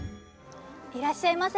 いらっしゃいませ。